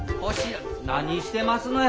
何してますのや。